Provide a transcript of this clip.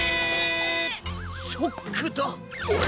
ショックだオレ